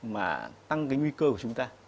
mà tăng cái nguy cơ của chúng ta